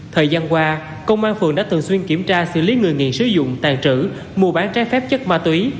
thời gian qua công an phường đã thường xuyên kiểm tra xử lý người nghiện sử dụng tàn trữ mua bán trái phép chất ma túy